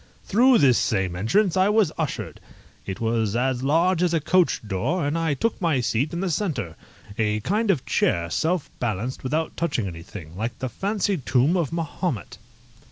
Through this same entrance I was ushered. It was as large as a coach door, and I took my seat in the centre, a kind of chair self balanced without touching anything, like the fancied tomb of Mahomet.